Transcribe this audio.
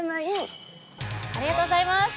ありがとうございます。